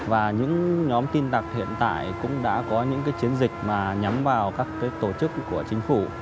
và những nhóm tin tặc hiện tại cũng đã có những chiến dịch mà nhắm vào các tổ chức của chính phủ